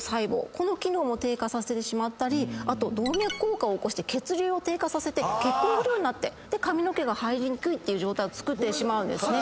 この機能も低下させてしまったりあと動脈硬化を起こして血流を低下させて血行不良になって髪の毛が生えにくいっていう状態をつくってしまうんですね。